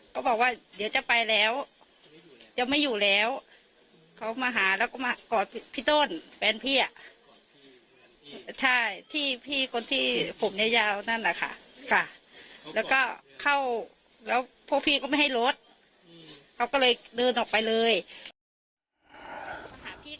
ก็บอกว่าเดี๋ยวจะไปแล้วจะไม่อยู่แล้วเขามาหาแล้วก็มากอดพี่ต้นแฟนพี่อ่ะใช่ที่พี่คนที่ผมเนี่ยยาวนั่นแหละค่ะแล้วก็เข้าแล้วพวกพี่ก็ไม่ให้รถเขาก็เลยเดินออกไปเลย